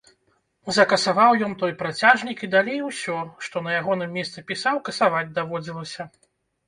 Закасаваў ён той працяжнік і далей усё, што на ягоным месцы пісаў, касаваць даводзілася.